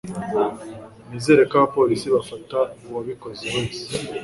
nizere ko abapolisi bafata uwabikoze wese